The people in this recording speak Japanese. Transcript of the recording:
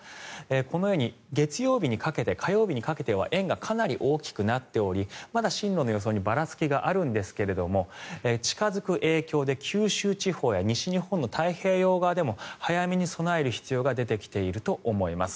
このように月曜日にかけて火曜日にかけては円がかなり大きくなっておりまだ進路の予想にばらつきはあるんですが近付く影響で九州地方や西日本の太平洋側でも早めに備える必要が出てきていると思います。